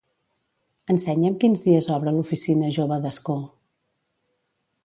Ensenya'm quins dies obre l'oficina jove d'Ascó.